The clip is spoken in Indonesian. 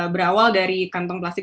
berawal dari kantong plastik